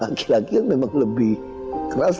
laki laki yang memang lebih keras